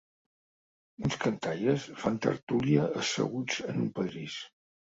Uns cantaires fan tertúlia asseguts en un pedrís.